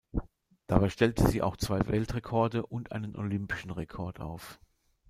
Dabei stellte sie auch zwei Weltrekorde und einen olympischen Rekord auf.